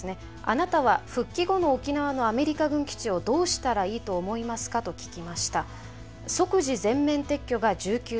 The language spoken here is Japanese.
「あなたは復帰後の沖縄のアメリカ軍基地をどうしたらいいと思いますか」と聞きました。